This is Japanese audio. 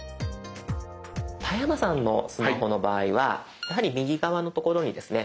田山さんのスマホの場合はやはり右側のところにですね